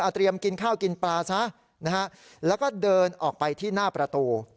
เตรียมกินข้าวกินปลาซะนะฮะแล้วก็เดินออกไปที่หน้าประตู